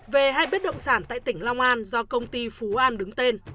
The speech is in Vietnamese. về hai bất động sản tại tỉnh long an do công ty phú an đứng tên